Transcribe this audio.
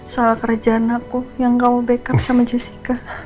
soal kerjaan aku yang kamu backup sama jessica